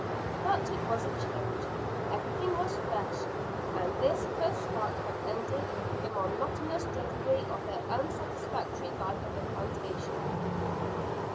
But it was a change. Everything was fresh, and this first start had ended the monotonous drudgery of their unsatisfactory life at the plantation.